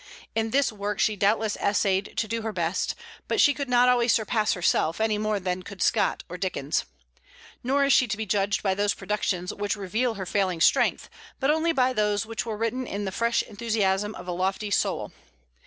In this work she doubtless essayed to do her best; but she could not always surpass herself, any more than could Scott or Dickens. Nor is she to be judged by those productions which reveal her failing strength, but by those which were written in the fresh enthusiasm of a lofty soul.